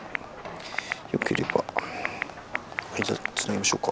よければ間をつなぎましょうか？」。